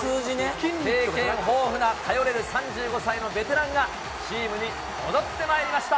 経験豊富な頼れる３５歳のベテランがチームに戻ってまいりました。